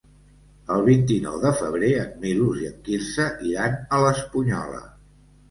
El vint-i-nou de febrer en Milos i en Quirze iran a l'Espunyola.